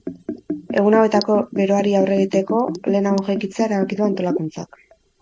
Egun hauetako beroari aurre egiteko, lehenago jaikitzea erabaki du antolakuntzak.